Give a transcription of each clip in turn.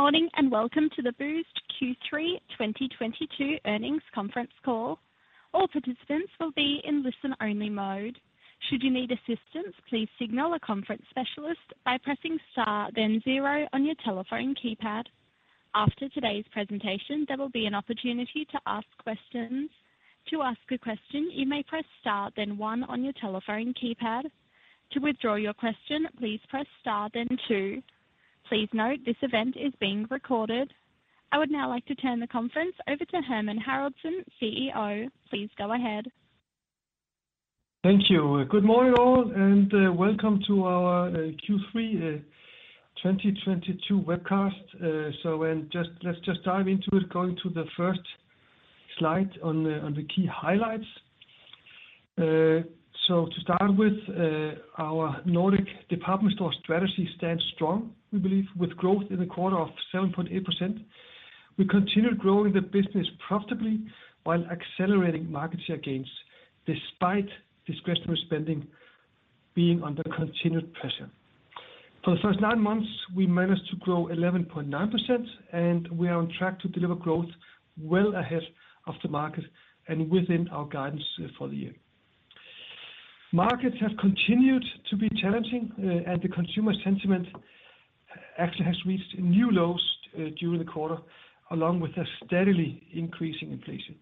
Good morning, welcome to the Boozt Q3 2022 earnings conference call. All participants will be in listen only mode. Should you need assistance, please signal a conference specialist by pressing Star, then Zero on your telephone keypad. After today's presentation, there will be an opportunity to ask questions. To ask a question, you may press Star, then One on your telephone keypad. To withdraw your question, please press Star, then Two. Please note, this event is being recorded. I would now like to turn the conference over to Hermann Haraldsson, CEO. Please go ahead. Thank you. Good morning all, welcome to our Q3 2022 webcast. Let's just dive into it, going to the first slide on the key highlights. To start with, our Nordic department store strategy stands strong, we believe, with growth in the quarter of 7.8%. We continue growing the business profitably while accelerating market share gains despite discretionary spending being under continued pressure. For the first nine months, we managed to grow 11.9%, we are on track to deliver growth well ahead of the market and within our guidance for the year. Markets have continued to be challenging, the consumer sentiment actually has reached new lows during the quarter, along with a steadily increasing inflation.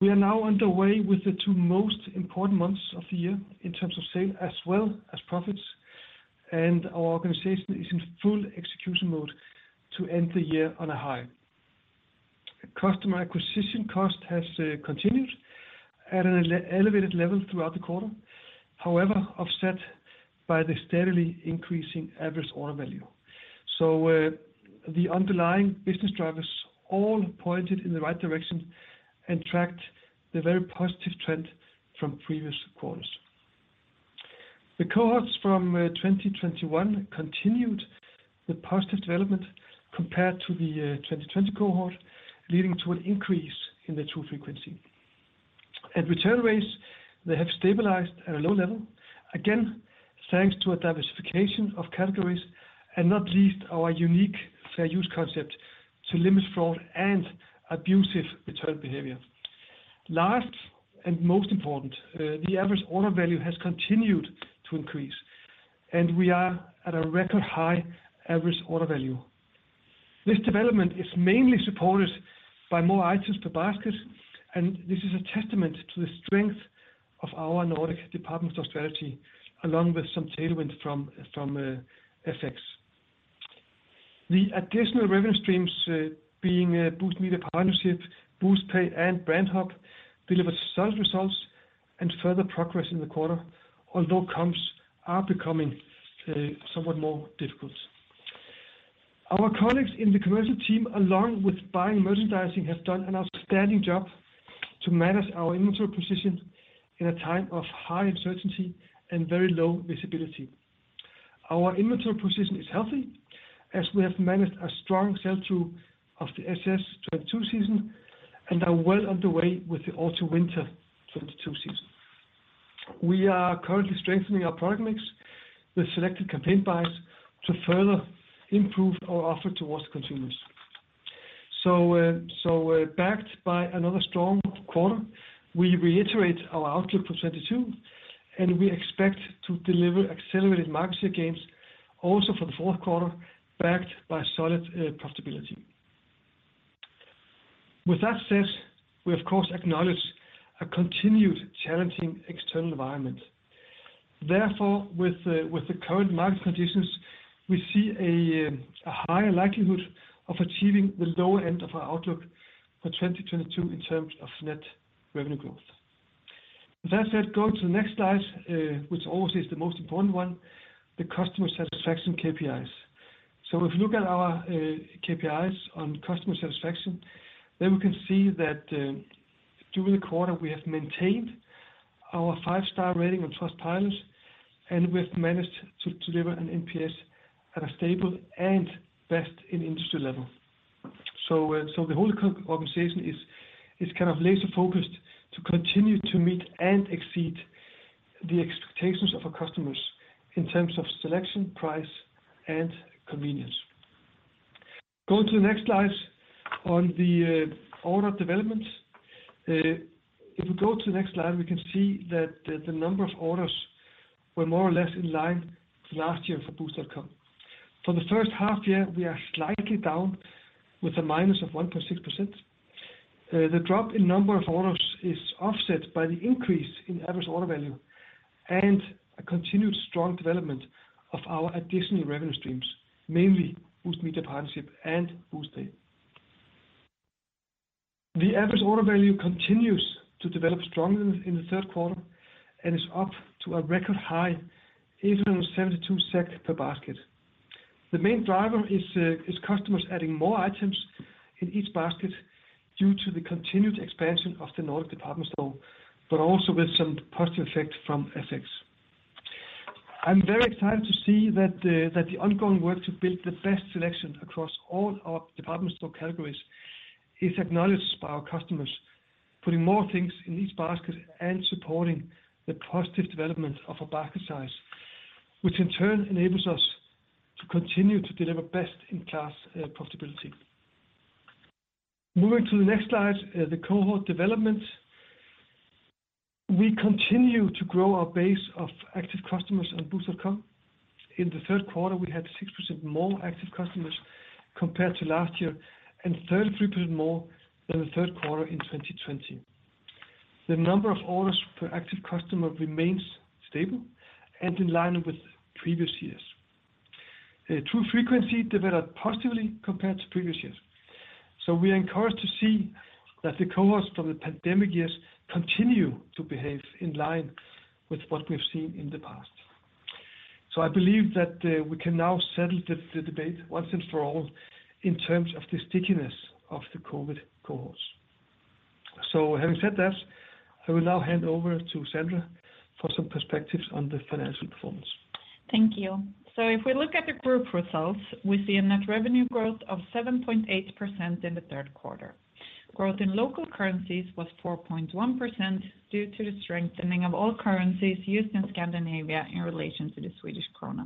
We are now underway with the two most important months of the year in terms of sale as well as profits, our organization is in full execution mode to end the year on a high. Customer acquisition cost has continued at an elevated level throughout the quarter, however, offset by the steadily increasing average order value. The underlying business drivers all pointed in the right direction and tracked the very positive trend from previous quarters. The cohorts from 2021 continued the positive development compared to the 2020 cohort, leading to an increase in the true frequency. Return rates, they have stabilized at a low level, again, thanks to a diversification of categories, not least our unique Fair Use concept to limit fraud and abusive return behavior. Last, most important, the average order value has continued to increase, we are at a record high average order value. This development is mainly supported by more items per basket, this is a testament to the strength of our Nordic department store strategy, along with some tailwind from FX. The additional revenue streams being Boozt Media Partnership, BooztPay, and BrandHub delivered solid results and further progress in the quarter, although comps are becoming somewhat more difficult. Our colleagues in the commercial team, along with buying and merchandising, have done an outstanding job to manage our inventory position in a time of high uncertainty and very low visibility. Our inventory position is healthy as we have managed a strong sell-through of the SS22 season and are well underway with the Autumn/Winter 22 season. We are currently strengthening our product mix with selected campaign buys to further improve our offer towards consumers. Backed by another strong quarter, we reiterate our outlook for 2022, we expect to deliver accelerated market share gains also for the fourth quarter, backed by solid profitability. With that said, we, of course, acknowledge a continued challenging external environment. With the current market conditions, we see a higher likelihood of achieving the lower end of our outlook for 2022 in terms of net revenue growth. With that said, go to the next slide, which always is the most important one, the customer satisfaction KPIs. If you look at our KPIs on customer satisfaction, then we can see that during the quarter, we have maintained our five-star rating on Trustpilot, and we've managed to deliver an NPS at a stable and best in industry level. The whole organization is kind of laser-focused to continue to meet and exceed the expectations of our customers in terms of selection, price, and convenience. Go to the next slide on the order development. If we go to the next slide, we can see that the number of orders were more or less in line to last year for Boozt.com. For the first half year, we are slightly down with a minus of 1.6%. The drop in number of orders is offset by the increase in average order value and a continued strong development of our additional revenue streams, mainly Boozt Media Partnership and BooztPay. The average order value continues to develop strongly in the third quarter and is up to a record high 872 SEK per basket. The main driver is customers adding more items in each basket due to the continued expansion of the Nordic department store, but also with some positive effect from FX. I am very excited to see that the ongoing work to build the best selection across all our department store categories is acknowledged by our customers, putting more things in each basket and supporting the positive development of our basket size, which in turn enables us to continue to deliver best-in-class profitability. Moving to the next slide, the cohort development. We continue to grow our base of active customers on Boozt.com. In the third quarter, we had 6% more active customers compared to last year, and 33% more than the third quarter in 2020. The number of orders per active customer remains stable and in line with previous years. True frequency developed positively compared to previous years. We are encouraged to see that the cohorts from the pandemic years continue to behave in line with what we've seen in the past. I believe that we can now settle the debate once and for all in terms of the stickiness of the COVID cohorts. Having said that, I will now hand over to Sandra for some perspectives on the financial performance. Thank you. If we look at the group results, we see a net revenue growth of 7.8% in the third quarter. Growth in local currencies was 4.1% due to the strengthening of all currencies used in Scandinavia in relation to the SEK.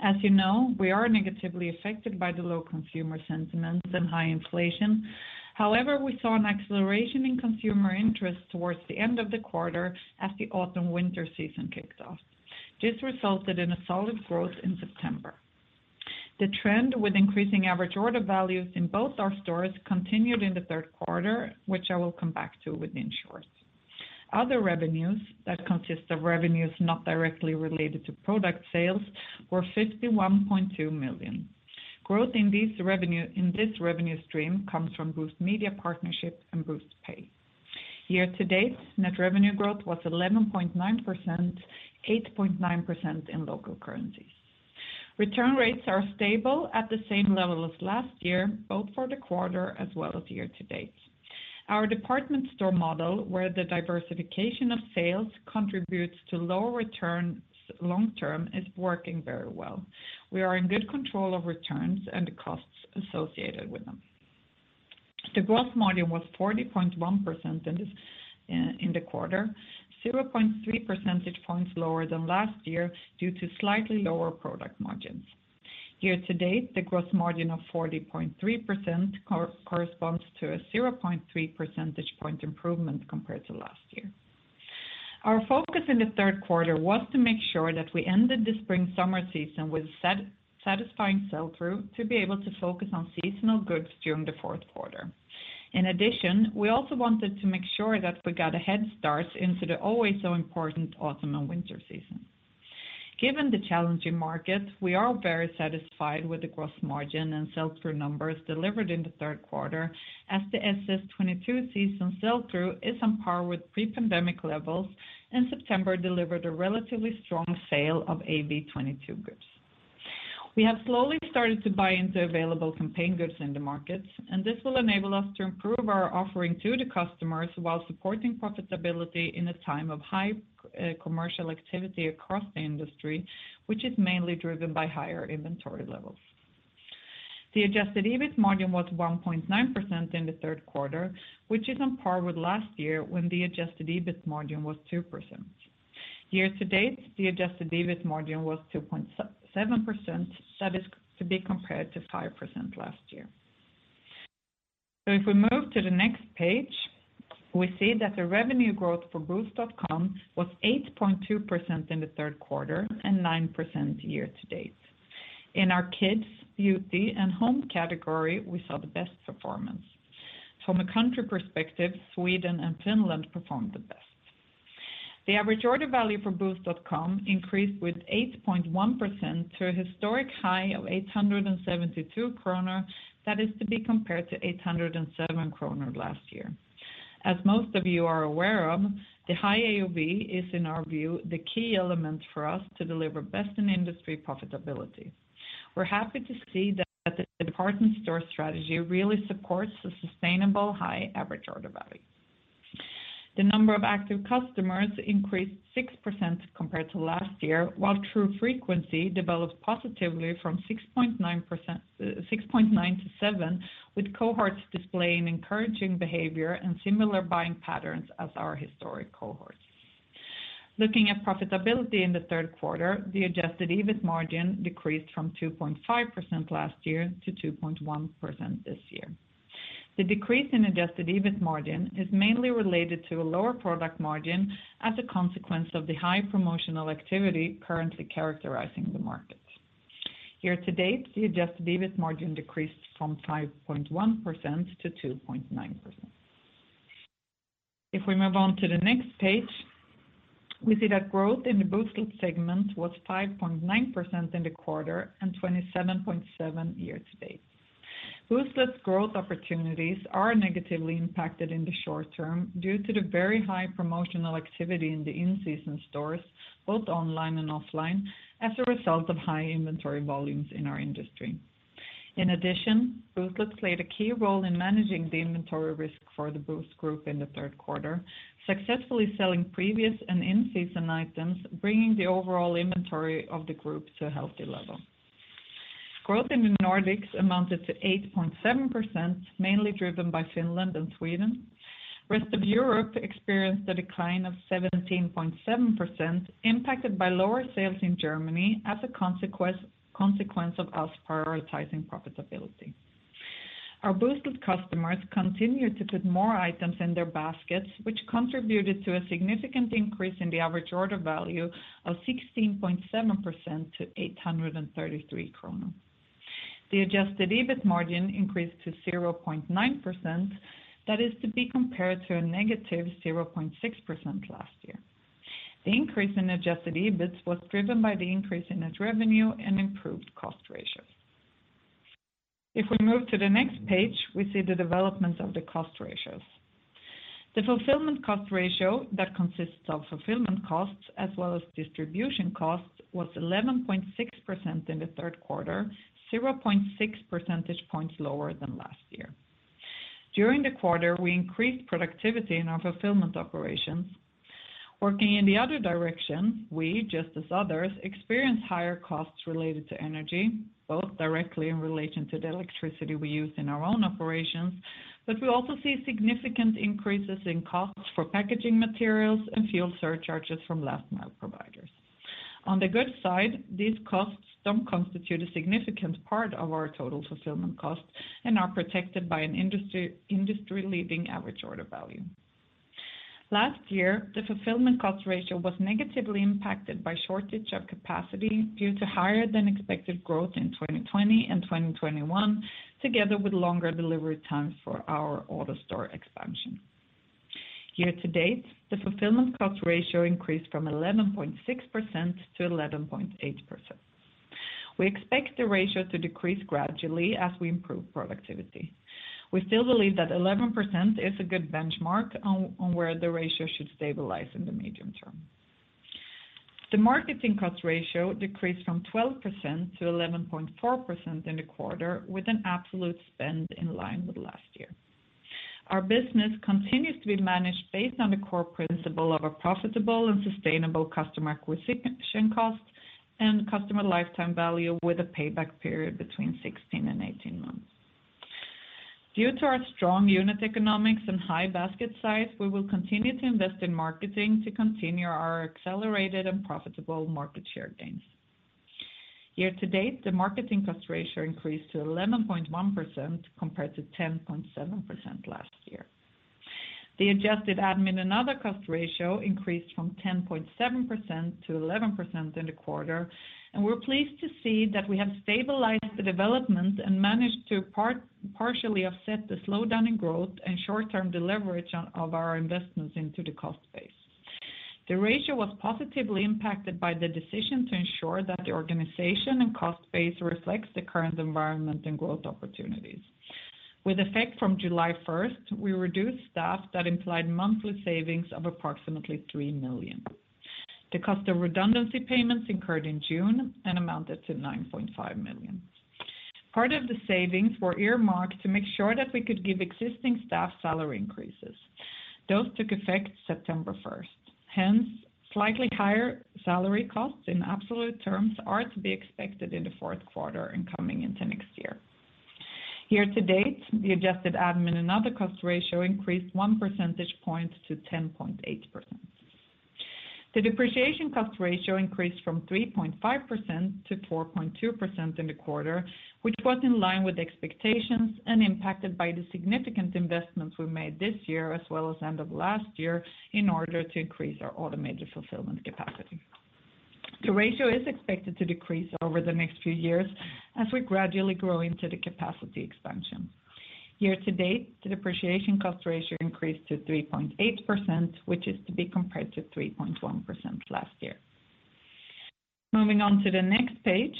As you know, we are negatively affected by the low consumer sentiments and high inflation. However, we saw an acceleration in consumer interest towards the end of the quarter as the Autumn/Winter season kicked off. This resulted in a solid growth in September. The trend with increasing average order values in both our stores continued in the third quarter, which I will come back to within shorts. Other revenues that consist of revenues not directly related to product sales were 51.2 million. Growth in this revenue stream comes from Boozt Media Partnership and BooztPay. Year to date, net revenue growth was 11.9%, 8.9% in local currencies. Return rates are stable at the same level as last year, both for the quarter as well as year to date. Our department store model, where the diversification of sales contributes to lower returns long term, is working very well. We are in good control of returns and the costs associated with them. The gross margin was 40.1% in the quarter, 0.3 percentage points lower than last year due to slightly lower product margins. Year to date, the gross margin of 40.3% corresponds to a 0.3 percentage point improvement compared to last year. Our focus in the third quarter was to make sure that we ended the Spring/Summer season with satisfying sell-through to be able to focus on seasonal goods during the fourth quarter. In addition, we also wanted to make sure that we got a head start into the always so important Autumn/Winter season. Given the challenging market, we are very satisfied with the gross margin and sell-through numbers delivered in the third quarter as the SS22 season sell-through is on par with pre-pandemic levels, and September delivered a relatively strong sale of AW22 goods. We have slowly started to buy into available campaign goods in the market, and this will enable us to improve our offering to the customers while supporting profitability in a time of high commercial activity across the industry, which is mainly driven by higher inventory levels. The adjusted EBIT margin was 1.9% in the third quarter, which is on par with last year when the adjusted EBIT margin was 2%. Year to date, the adjusted EBIT margin was 2.7%. That is to be compared to 5% last year. If we move to the next page, we see that the revenue growth for Boozt.com was 8.2% in the third quarter and 9% year to date. In our kids, beauty, and home category, we saw the best performance. From a country perspective, Sweden and Finland performed the best. The average order value for Boozt.com increased with 8.1% to a historic high of 872 kronor. That is to be compared to 807 kronor last year. As most of you are aware of, the high AOV is, in our view, the key element for us to deliver best-in-industry profitability. We're happy to see that the department store strategy really supports a sustainable high average order value. The number of active customers increased 6% compared to last year, while true frequency developed positively from 6.9 to 7, with cohorts displaying encouraging behavior and similar buying patterns as our historic cohorts. Looking at profitability in the third quarter, the adjusted EBIT margin decreased from 2.5% last year to 2.1% this year. The decrease in adjusted EBIT margin is mainly related to a lower product margin as a consequence of the high promotional activity currently characterizing the market. Year to date, the adjusted EBIT margin decreased from 5.1% to 2.9%. If we move on to the next page, we see that growth in the Booztlet segment was 5.9% in the quarter and 27.7% year to date. Booztlet's growth opportunities are negatively impacted in the short term due to the very high promotional activity in the in-season stores, both online and offline, as a result of high inventory volumes in our industry. In addition, Booztlet played a key role in managing the inventory risk for the Boozt Group in the third quarter, successfully selling previous and in-season items, bringing the overall inventory of the group to a healthy level. Growth in the Nordics amounted to 8.7%, mainly driven by Finland and Sweden. Rest of Europe experienced a decline of 17.7%, impacted by lower sales in Germany as a consequence of us prioritizing profitability. Our Booztlet customers continued to put more items in their baskets, which contributed to a significant increase in the average order value of 16.7% to 833 kronor. The adjusted EBIT margin increased to 0.9%. That is to be compared to a negative 0.6% last year. The increase in adjusted EBIT was driven by the increase in net revenue and improved cost ratios. If we move to the next page, we see the development of the cost ratios. The fulfillment cost ratio that consists of fulfillment costs as well as distribution costs, was 11.6% in the third quarter, 0.6 percentage points lower than last year. During the quarter, we increased productivity in our fulfillment operations. Working in the other direction, we, just as others, experienced higher costs related to energy, both directly in relation to the electricity we use in our own operations, but we also see significant increases in costs for packaging materials and fuel surcharges from last-mile providers. On the good side, these costs don't constitute a significant part of our total fulfillment cost and are protected by an industry-leading average order value. Last year, the fulfillment cost ratio was negatively impacted by shortage of capacity due to higher than expected growth in 2020 and 2021, together with longer delivery times for our AutoStore expansion. Year to date, the fulfillment cost ratio increased from 11.6% to 11.8%. We expect the ratio to decrease gradually as we improve productivity. We still believe that 11% is a good benchmark on where the ratio should stabilize in the medium term. The marketing cost ratio decreased from 12% to 11.4% in the quarter, with an absolute spend in line with last year. Our business continues to be managed based on the core principle of a profitable and sustainable customer acquisition cost and customer lifetime value with a payback period between 16 and 18 months. Due to our strong unit economics and high basket size, we will continue to invest in marketing to continue our accelerated and profitable market share gains. Year to date, the marketing cost ratio increased to 11.1%, compared to 10.7% last year. The adjusted admin and other cost ratio increased from 10.7% to 11% in the quarter, and we're pleased to see that we have stabilized the development and managed to partially offset the slowdown in growth and short-term deleverage of our investments into the cost base. The ratio was positively impacted by the decision to ensure that the organization and cost base reflects the current environment and growth opportunities. With effect from July 1st, we reduced staff that implied monthly savings of approximately 3 million. The cost of redundancy payments incurred in June and amounted to 9.5 million. Part of the savings were earmarked to make sure that we could give existing staff salary increases. Those took effect September 1st, hence slightly higher salary costs in absolute terms are to be expected in the fourth quarter and coming into next year. Year to date, the adjusted admin and other cost ratio increased one percentage point to 10.8%. The depreciation cost ratio increased from 3.5% to 4.2% in the quarter, which was in line with expectations and impacted by the significant investments we made this year as well as end of last year in order to increase our automated fulfillment capacity. The ratio is expected to decrease over the next few years as we gradually grow into the capacity expansion. Year to date, the depreciation cost ratio increased to 3.8%, which is to be compared to 3.1% last year. Moving on to the next page,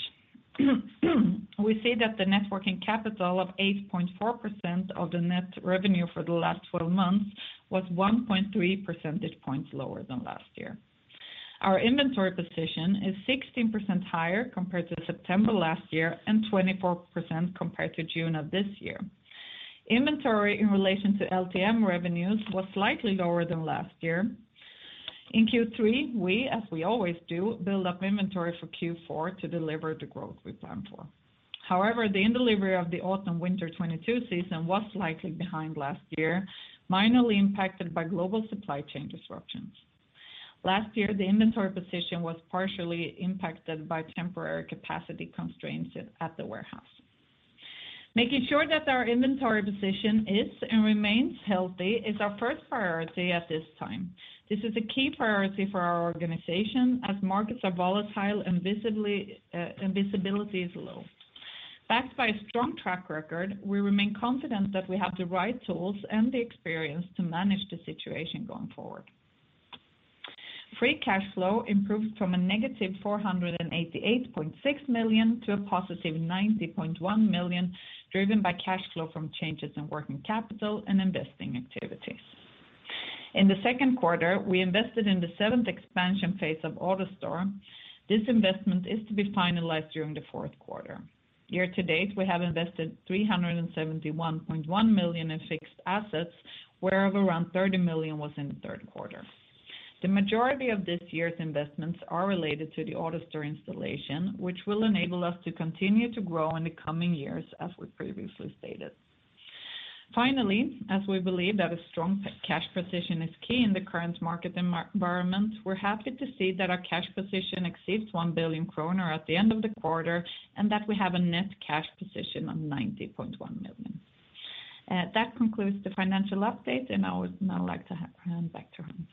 we see that the net working capital of 8.4% of the net revenue for the last 12 months was 1.3 percentage points lower than last year. Our inventory position is 16% higher compared to September last year and 24% compared to June of this year. Inventory in relation to LTM revenues was slightly lower than last year. In Q3, we, as we always do, build up inventory for Q4 to deliver the growth we plan for. However, the delivery of the Autumn/Winter 22 season was slightly behind last year, minorly impacted by global supply chain disruptions. Last year, the inventory position was partially impacted by temporary capacity constraints at the warehouse. Making sure that our inventory position is and remains healthy is our first priority at this time. This is a key priority for our organization as markets are volatile and visibility is low. Backed by a strong track record, we remain confident that we have the right tools and the experience to manage the situation going forward. Free cash flow improved from a negative 488.6 million to a positive 90.1 million, driven by cash flow from changes in working capital and investing activities. In the second quarter, we invested in the 7th expansion phase of AutoStore. This investment is to be finalized during the fourth quarter. Year to date, we have invested 371.1 million in fixed assets, where of around 30 million was in the third quarter. The majority of this year's investments are related to the AutoStore installation, which will enable us to continue to grow in the coming years as we previously stated. Finally, as we believe that a strong cash position is key in the current market environment, we're happy to see that our cash position exceeds 1 billion kronor at the end of the quarter, and that we have a net cash position of 90.1 million. I would now like to hand back to Hermann.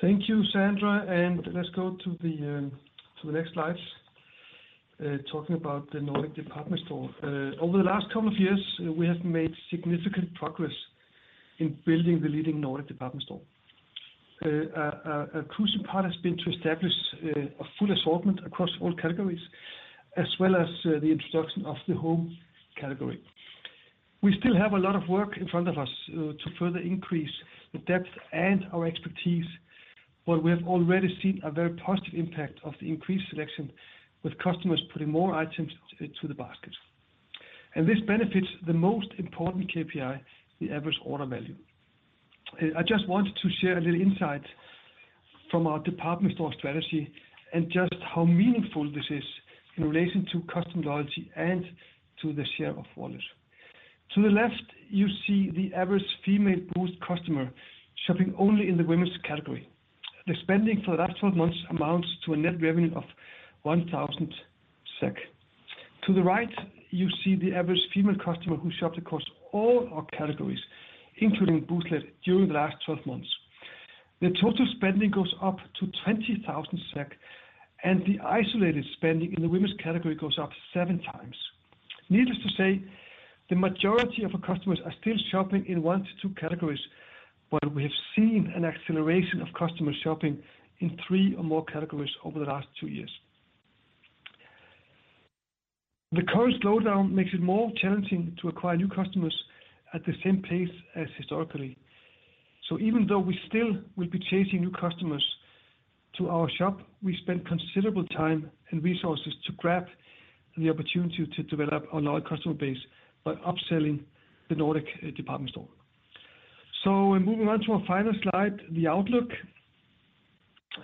Thank you, Sandra. Let's go to the next slides, talking about the Nordic department store. Over the last couple of years, we have made significant progress in building the leading Nordic department store. A crucial part has been to establish a full assortment across all categories, as well as the introduction of the home category. We still have a lot of work in front of us to further increase the depth and our expertise, but we have already seen a very positive impact of the increased selection, with customers putting more items into the basket. This benefits the most important KPI, the average order value. I just wanted to share a little insight from our department store strategy and just how meaningful this is in relation to customer loyalty and to the share of wallet. To the left, you see the average female Boozt customer shopping only in the women's category. The spending for the last 12 months amounts to a net revenue of 1,000 SEK. To the right, you see the average female customer who shopped across all our categories, including Booztlet, during the last 12 months. The total spending goes up to 20,000 SEK, and the isolated spending in the women's category goes up seven times. Needless to say, the majority of our customers are still shopping in one to two categories, but we have seen an acceleration of customers shopping in three or more categories over the last two years. The current slowdown makes it more challenging to acquire new customers at the same pace as historically. Even though we still will be chasing new customers to our shop, we spend considerable time and resources to grab the opportunity to develop our loyal customer base by upselling the Nordic department store. Moving on to our final slide, the outlook.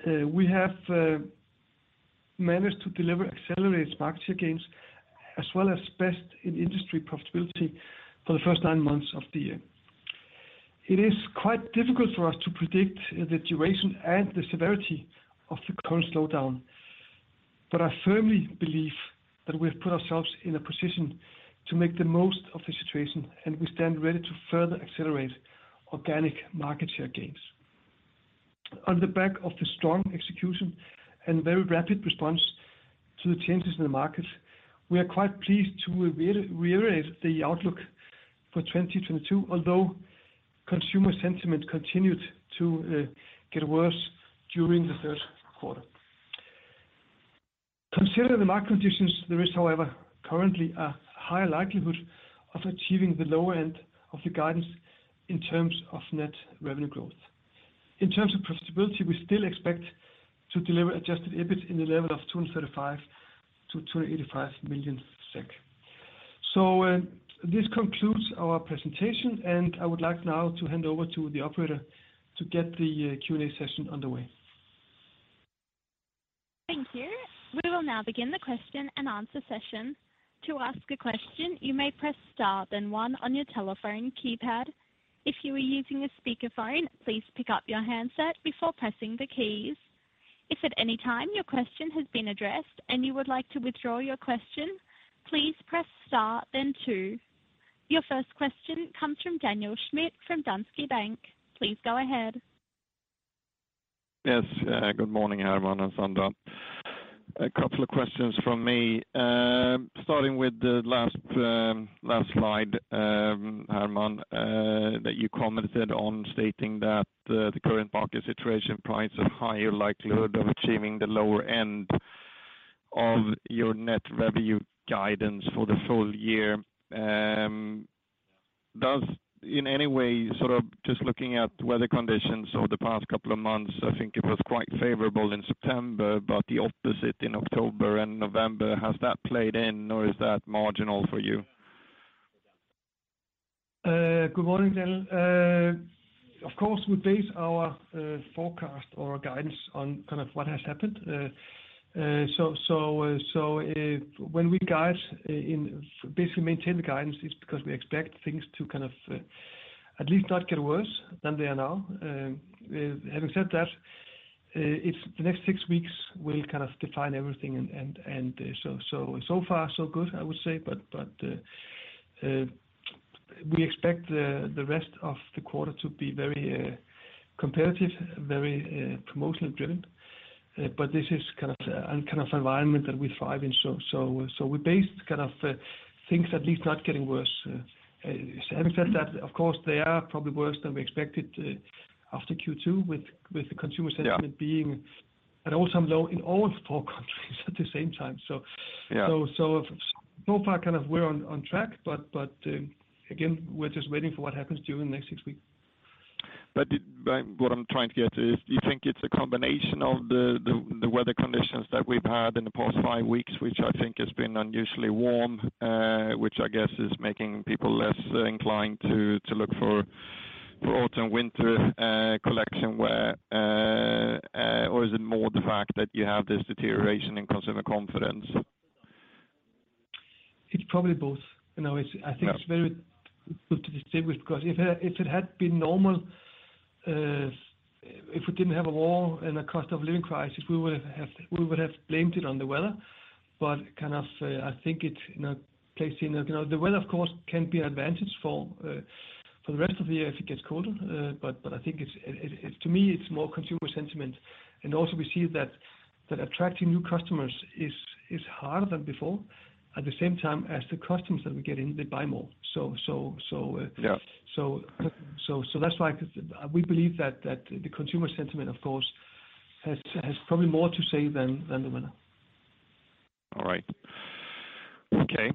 We have managed to deliver accelerated market share gains as well as best-in-industry profitability for the first nine months of the year. It is quite difficult for us to predict the duration and the severity of the current slowdown, but I firmly believe that we've put ourselves in a position to make the most of the situation, and we stand ready to further accelerate organic market share gains. On the back of the strong execution and very rapid response to the changes in the market, we are quite pleased to reiterate the outlook for 2022, although consumer sentiment continued to get worse during the third quarter. Considering the market conditions, there is, however, currently a higher likelihood of achieving the lower end of the guidance in terms of net revenue growth. In terms of profitability, we still expect to deliver adjusted EBIT in the level of 235 to 285 million SEK. This concludes our presentation, and I would like now to hand over to the operator to get the Q&A session underway. Thank you. We will now begin the question and answer session. To ask a question, you may press star, then one on your telephone keypad. If you are using a speakerphone, please pick up your handset before pressing the keys. If at any time your question has been addressed and you would like to withdraw your question, please press star then two. Your first question comes from Daniel Schmidt from Danske Bank. Please go ahead. Yes, good morning, Hermann and Sandra. A couple of questions from me. Starting with the last slide, Hermann, that you commented on, stating that the current market situation prides a higher likelihood of achieving the lower end of your net revenue guidance for the full year. Does, in any way, just looking at weather conditions over the past couple of months, I think it was quite favorable in September, but the opposite in October and November. Has that played in or is that marginal for you? Good morning, Daniel. Of course, we base our forecast or our guidance on what has happened. When we guide, basically maintain the guidance, it's because we expect things to at least not get worse than they are now. Having said that, the next six weeks will kind of define everything, and so far, so good, I would say. We expect the rest of the quarter to be very competitive, very promotionally driven. This is kind of environment that we thrive in. We base things at least not getting worse. Having said that, of course, they are probably worse than we expected after Q2 with the consumer sentiment being at an all-time low in all four countries at the same time. So far we're on track, but again, we're just waiting for what happens during the next six weeks. What I'm trying to get is, do you think it's a combination of the weather conditions that we've had in the past five weeks, which I think has been unusually warm, which I guess is making people less inclined to look for Autumn/Winter collection wear? Or is it more the fact that you have this deterioration in consumer confidence? It's probably both. I think it's very good to distinguish because if it had been normal, if we didn't have a war and a cost of living crisis, we would have blamed it on the weather. The weather, of course, can be an advantage for the rest of the year if it gets colder. I think, to me, it's more consumer sentiment. Also we see that attracting new customers is harder than before. At the same time as the customers that we're getting, they buy more. Yeah. That's why we believe that the consumer sentiment, of course, has probably more to say than the weather. All right. Okay.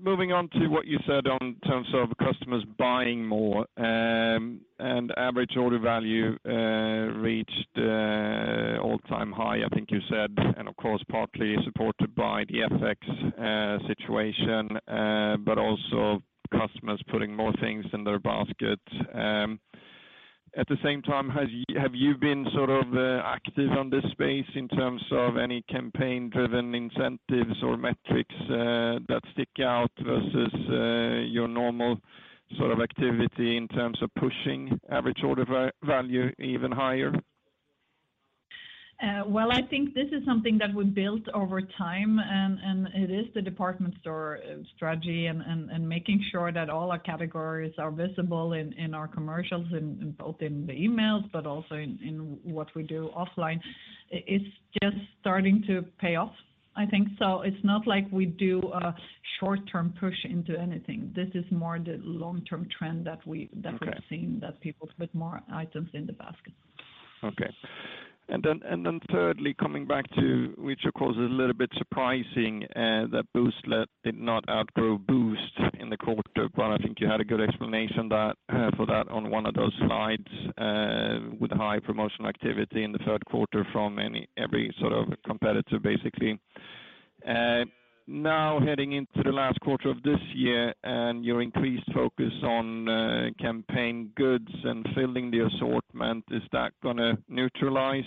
Moving on to what you said in terms of customers buying more and average order value reached all-time high, I think you said, and of course, partly supported by the FX situation. Also customers putting more things in their basket. At the same time, have you been active on this space in terms of any campaign-driven incentives or metrics that stick out versus your normal sort of activity in terms of pushing average order value even higher? Well, I think this is something that we've built over time, it is the department store strategy and making sure that all our categories are visible in our commercials, both in the emails, but also in what we do offline. It's just starting to pay off, I think. It's not like we do a short-term push into anything. This is more the long-term trend that we- Okay have seen that people put more items in the basket. Okay. Thirdly, coming back to, which of course is a little bit surprising, that Booztlet did not outgrow Boozt in the quarter, I think you had a good explanation for that on one of those slides with high promotional activity in the third quarter from every sort of competitor, basically. Heading into the last quarter of this year and your increased focus on campaign goods and filling the assortment, is that going to neutralize,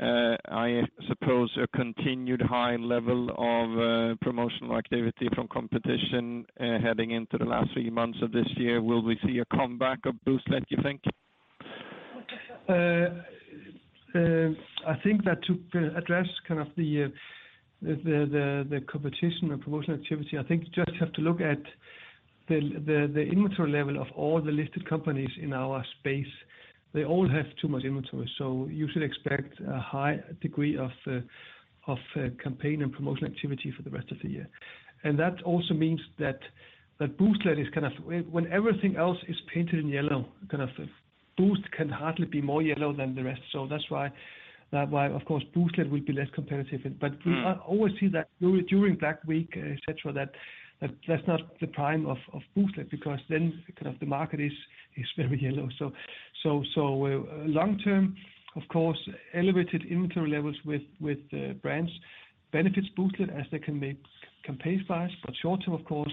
I suppose, a continued high level of promotional activity from competition heading into the last three months of this year? Will we see a comeback of Booztlet, do you think? I think that to address the competition and promotional activity, I think you just have to look at the inventory level of all the listed companies in our space. They all have too much inventory, you should expect a high degree of campaign and promotional activity for the rest of the year. That also means that when everything else is painted in yellow, Boozt can hardly be more yellow than the rest. That's why, of course, Booztlet will be less competitive. We always see that during Black Week, et cetera, that that's not the prime of Booztlet, because then the market is very yellow. Long term, of course, elevated inventory levels with brands benefits Booztlet as they can pay fast. Short term, of course,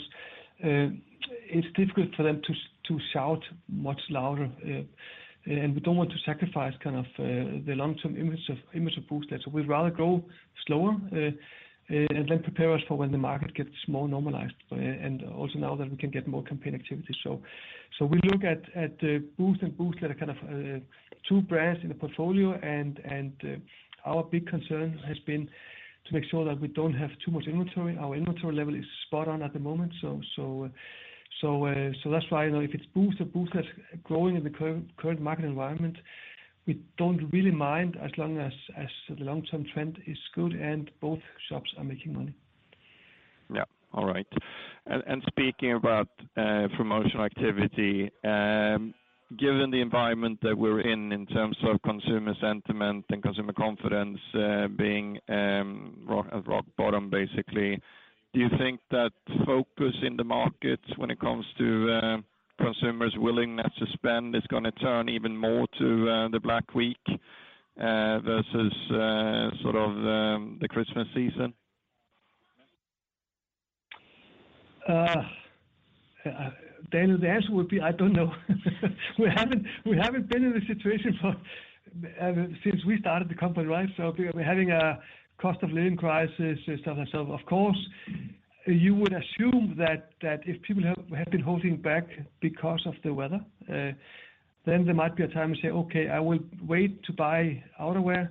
it's difficult for them to shout much louder. We don't want to sacrifice the long-term image of Booztlet. We'd rather grow slower and then prepare us for when the market gets more normalized, and also now that we can get more campaign activity. We look at Boozt and Booztlet are kind of two brands in the portfolio, and our big concern has been to make sure that we don't have too much inventory. Our inventory level is spot on at the moment. That's why if it's Boozt or Booztlet growing in the current market environment, we don't really mind as long as the long-term trend is good and both shops are making money. Yeah. All right. Speaking about promotional activity, given the environment that we're in in terms of consumer sentiment and consumer confidence being at rock bottom, basically, do you think that focus in the market when it comes to consumers' willingness to spend is going to turn even more to the Black Week versus the Christmas season? Daniel, the answer would be I don't know. We haven't been in this situation since we started the company, right? We're having a cost of living crisis and stuff like that. Of course, you would assume that if people have been holding back because of the weather, then there might be a time to say, "Okay, I will wait to buy outerwear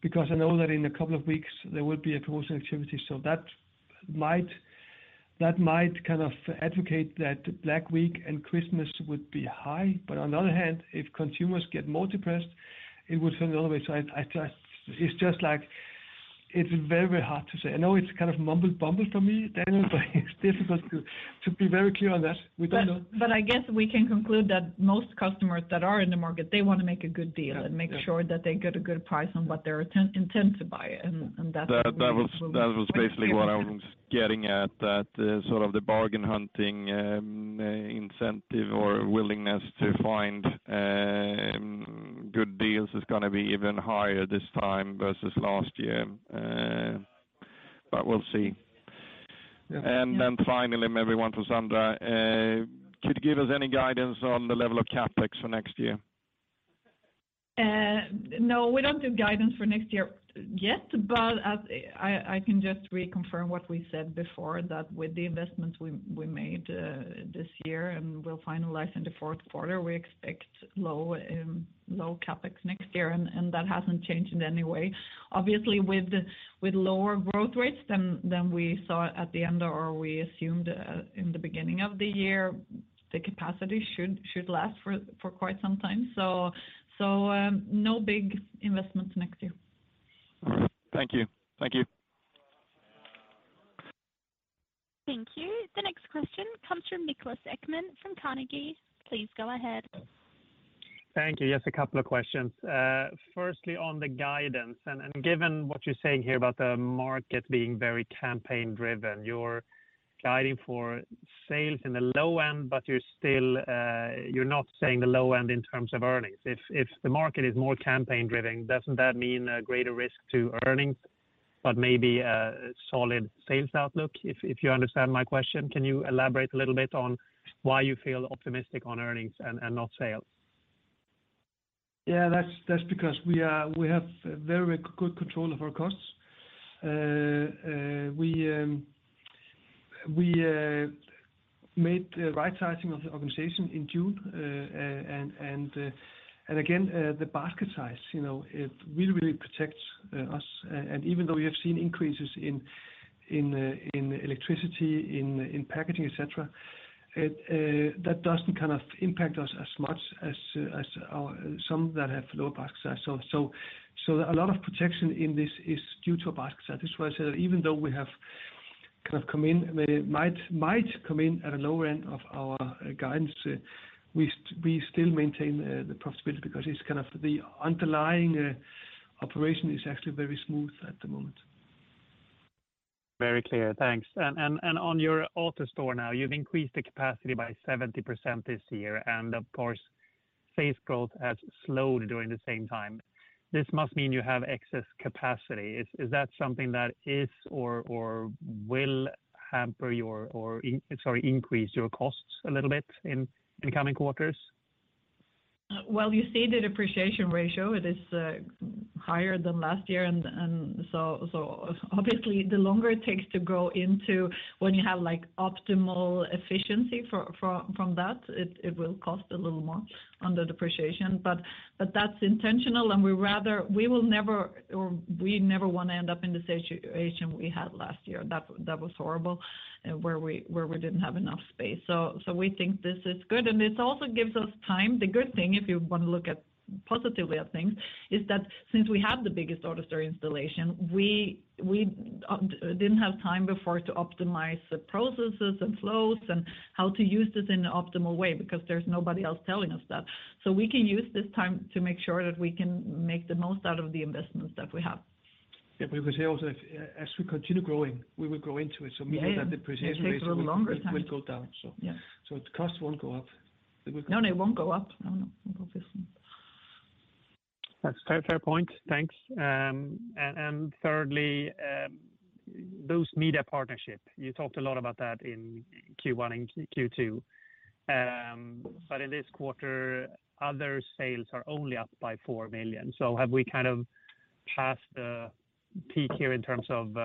because I know that in a couple of weeks there will be a promotional activity." That might kind of advocate that Black Week and Christmas would be high. On the other hand, if consumers get more depressed, it would turn the other way. It's just very hard to say. I know it's kind of mumble bumble for me, Daniel, but it's difficult to be very clear on that. We don't know. I guess we can conclude that most customers that are in the market, they want to make a good deal and make sure that they get a good price on what they're intend to buy. That was basically what I was getting at, that sort of the bargain hunting incentive or willingness to find good deals is going to be even higher this time versus last year. We'll see. Yeah. Yeah. Finally, maybe one for Sandra. Could you give us any guidance on the level of CapEx for next year? No, we don't do guidance for next year yet, but I can just reconfirm what we said before, that with the investments we made this year and we'll finalize in the fourth quarter, we expect low CapEx next year, and that hasn't changed in any way. Obviously, with lower growth rates than we saw at the end, or we assumed in the beginning of the year, the capacity should last for quite some time. No big investments next year. Thank you. Thank you. The next question comes from Niklas Ekman from Carnegie. Please go ahead. Thank you. Just a couple of questions. Firstly, on the guidance, and given what you're saying here about the market being very campaign-driven, you're guiding for sales in the low end, but you're not saying the low end in terms of earnings. If the market is more campaign-driven, doesn't that mean a greater risk to earnings, but maybe a solid sales outlook? If you understand my question, can you elaborate a little bit on why you feel optimistic on earnings and not sales? Yeah. That's because we have very good control of our costs. We made the right sizing of the organization in June. Again, the basket size, it really protects us. Even though we have seen increases in electricity, in packaging, et cetera, that doesn't impact us as much as some that have lower basket size. A lot of protection in this is due to basket size. That's why I said, even though we might come in at a lower end of our guidance, we still maintain the profitability because the underlying operation is actually very smooth at the moment. Very clear. Thanks. On your AutoStore now, you've increased the capacity by 70% this year, and of course, sales growth has slowed during the same time. This must mean you have excess capacity. Is that something that is or will increase your costs a little bit in the coming quarters? Well, you see the depreciation ratio, it is higher than last year. Obviously the longer it takes to grow into when you have optimal efficiency from that, it will cost a little more on the depreciation. That's intentional, and we never want to end up in the situation we had last year. That was horrible, where we didn't have enough space. We think this is good, and it also gives us time. The good thing, if you want to look positively at things, is that since we have the biggest AutoStore installation, we didn't have time before to optimize the processes and flows and how to use this in an optimal way, because there's nobody else telling us that. We can use this time to make sure that we can make the most out of the investments that we have. Yeah. We could say also, as we continue growing, we will grow into it. Meaning that depreciation rate- Yeah. It takes a little longer time will go down. Yeah. The cost won't go up. No, it won't go up. No. Obviously. That's a fair point. Thanks. Thirdly, Boozt Media Partnership, you talked a lot about that in Q1 and Q2. In this quarter, other sales are only up by 4 million. Have we passed the peak here in terms of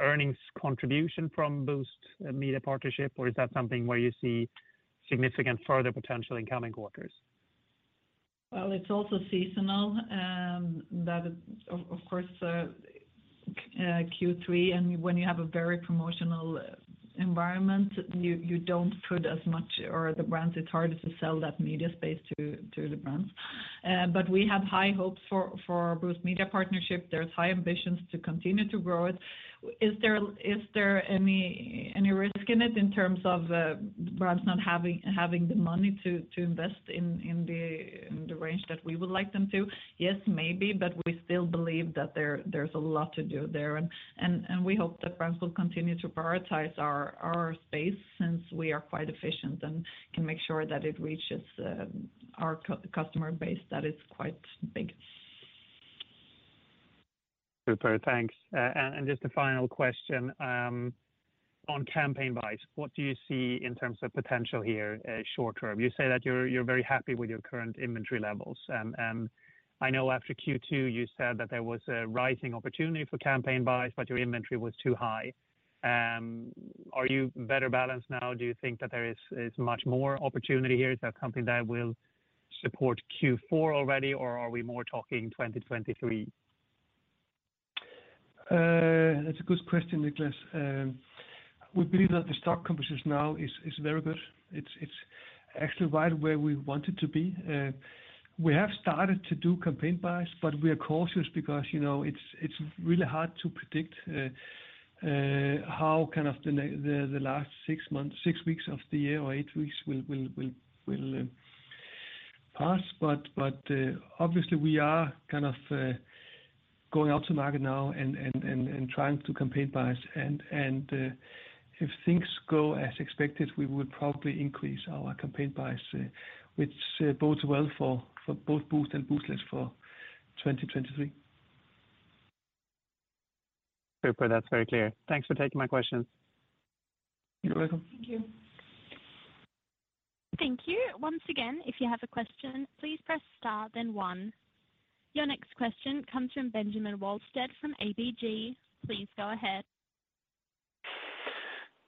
earnings contribution from Boozt Media Partnership, or is that something where you see significant further potential in coming quarters? Well, it's also seasonal. Of course, Q3, when you have a very promotional environment, you don't put as much, or the brands, it's harder to sell that media space to the brands. We have high hopes for Boozt Media Partnership. There's high ambitions to continue to grow it. Is there any risk in it in terms of brands not having the money to invest in the range that we would like them to? Yes, maybe, we still believe that there's a lot to do there. We hope that brands will continue to prioritize our space since we are quite efficient and can make sure that it reaches our customer base that is quite big. Super, thanks. Just a final question on campaign buys. What do you see in terms of potential here short term? You say that you're very happy with your current inventory levels. I know after Q2 you said that there was a rising opportunity for campaign buys, but your inventory was too high. Are you better balanced now? Do you think that there is much more opportunity here? Is that something that will support Q4 already, or are we more talking 2023? That's a good question, Niklas. We believe that the stock composition now is very good. It's actually right where we want it to be. We have started to do campaign buys, but we are cautious because it's really hard to predict how the last six weeks of the year, or eight weeks will pass. Obviously we are going out to market now and trying to campaign buys, and if things go as expected, we will probably increase our campaign buys, which bodes well for both Boozt and Booztlet for 2023. Super. That's very clear. Thanks for taking my questions. You're welcome. Thank you. Thank you. Once again, if you have a question, please press star then one. Your next question comes from Benjamin Wahlstedt from ABG. Please go ahead.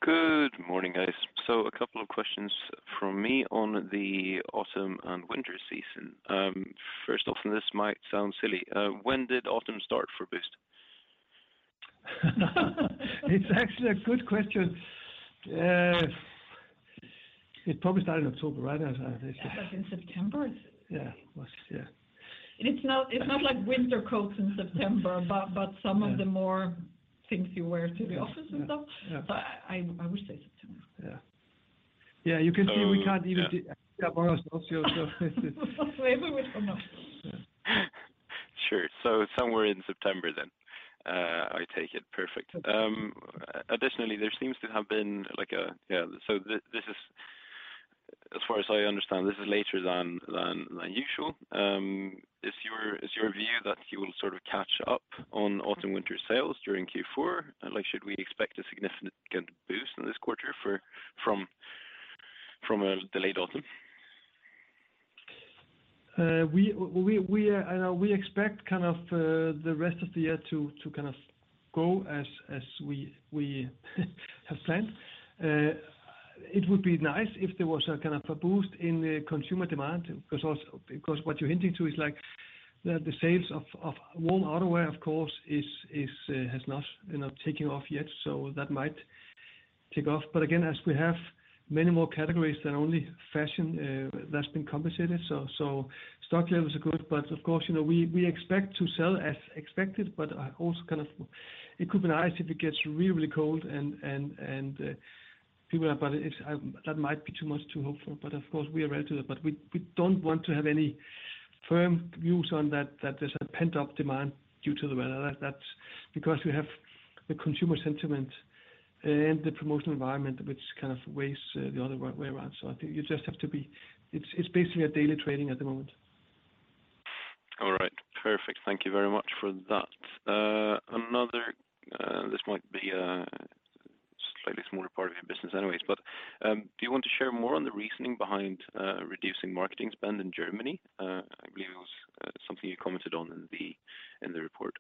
Good morning, guys. A couple of questions from me on the autumn and winter season. First off, this might sound silly, when did autumn start for Boozt? It's actually a good question. It probably started in October, right. Yeah, like in September. Yeah. It was, yeah. It's not like winter coats in September, some of the more things you wear to the office and stuff. Yeah. I would say September. Yeah. You can see we can't even. yeah. Get our answers ourselves. Maybe we'll come up with something. Sure. Somewhere in September then, I take it. Perfect. Additionally, there seems to have been. This is, as far as I understand, this is later than usual. Is your view that you will sort of catch up on autumn/winter sales during Q4? Should we expect a significant boost in this quarter from a delayed autumn? We expect the rest of the year to go as we have planned. It would be nice if there was a boost in the consumer demand, because what you're hinting to is the sales of warm outerwear, of course, has not taken off yet, so that might take off. Again, as we have many more categories than only fashion, that's been compensated, so stock levels are good. Of course, we expect to sell as expected, but also it could be nice if it gets really cold and people are. That might be too much to hope for. Of course, we are ready to. We don't want to have any firm views on that there's a pent-up demand due to the weather. That's because we have the consumer sentiment and the promotional environment, which kind of weighs the other way around. I think it's basically a daily trading at the moment. All right, perfect. Thank you very much for that. Another, this might be a slightly smaller part of your business anyways. Do you want to share more on the reasoning behind reducing marketing spend in Germany? I believe it was something you commented on in the report.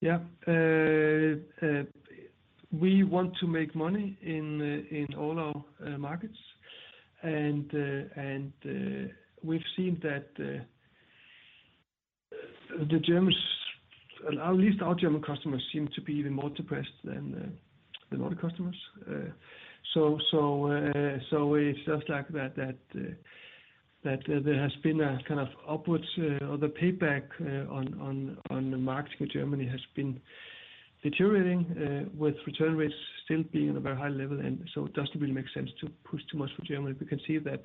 Yeah. We want to make money in all our markets, we've seen that at least our German customers seem to be even more depressed than the Nordic customers. It's just like that there has been a kind of upwards or the payback on the marketing in Germany has been deteriorating with return rates still being at a very high level, it doesn't really make sense to push too much for Germany. We can see that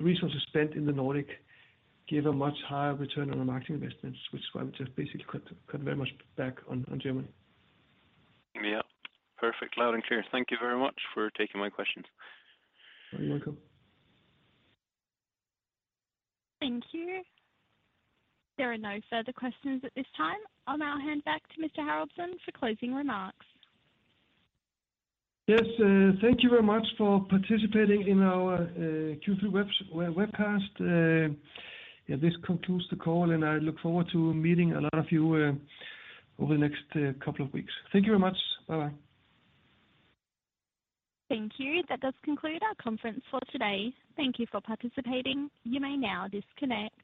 resources spent in the Nordic give a much higher return on the marketing investments, which is why we just basically cut very much back on Germany. Yep. Perfect. Loud and clear. Thank you very much for taking my questions. You're welcome. Thank you. There are no further questions at this time. I'll now hand back to Mr. Haraldsson for closing remarks. Thank you very much for participating in our Q3 webcast. This concludes the call, and I look forward to meeting a lot of you over the next couple of weeks. Thank you very much. Bye-bye. Thank you. That does conclude our conference for today. Thank you for participating. You may now disconnect.